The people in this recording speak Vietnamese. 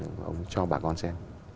ông ấy cho bà con xem